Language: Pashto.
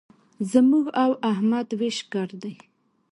زموږ او احمد وېش ګډ دی.